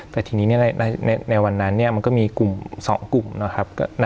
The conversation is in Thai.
แต่ทีนี้ในวันนั้นมันก็มีกลุ่ม๒กลุ่มนะครับ